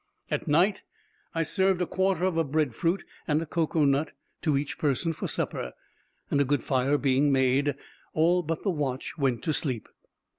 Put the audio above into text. At night, I served a quarter of a bread fruit and a cocoa nut to each person for supper; and a good fire being made, all but the watch went to sleep.